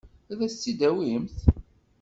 Ad as-tt-id-tawimt?